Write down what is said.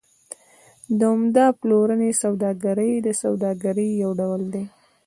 د عمده پلورنې سوداګري د سوداګرۍ یو ډول دی